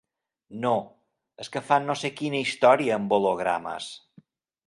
No, és que fan no sé quina història amb hologrames.